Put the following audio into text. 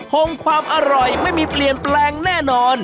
คงความอร่อยไม่มีเปลี่ยนแปลงแน่นอน